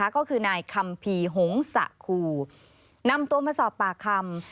ก็คือนายคัมภีร์หงษะครูนำตัวมาสอบปากคำ